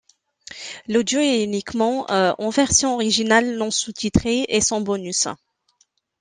L'audio est uniquement en version originale non sous-titrée et sans bonus.